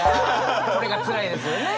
これがつらいですよね！